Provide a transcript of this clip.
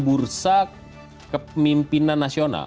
bursa kepemimpinan nasional